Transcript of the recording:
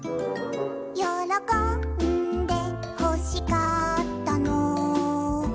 「よろこんでほしかったの」